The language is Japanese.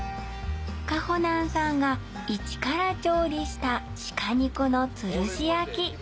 かほなんさんがイチから調理した鹿肉の吊るし焼き。